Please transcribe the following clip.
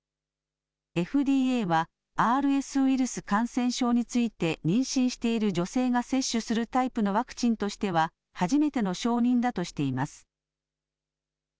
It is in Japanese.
ＦＤＡは、ＲＳウイルス感染症について、妊娠している女性が接種するタイプのワクチンとしては、初めての承認だとしています。